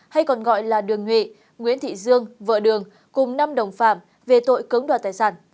hay còn gọi là đường nhuy nguyễn thị dương vợ đường cùng năm đồng phạm về tội cưỡng đoạt tài sản